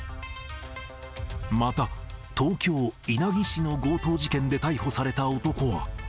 また、東京・稲城市の強盗事件で逮捕された男は。